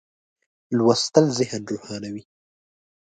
لوستل ذهن روښانوي.